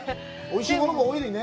おいしいものも多いよね。